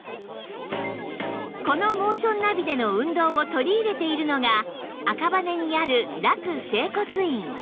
このモーションナビでの運動を取り入れているのが赤羽にある楽整骨院